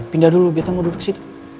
pindah dulu biar saya gak duduk situ